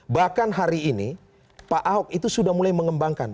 bahkan hari ini pak ahok itu sudah mulai mengembangkan